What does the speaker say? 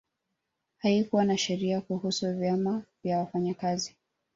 Haikuwa na sheria kuhusu vyama vya wafanyakazi